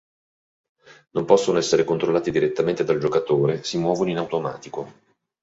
Non possono essere controllati direttamente dal giocatore, si muovono in automatico.